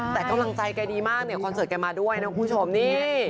แต่กำลังใจแกดีมากเนี่ยคอนเสิร์ตแกมาด้วยนะคุณผู้ชมนี่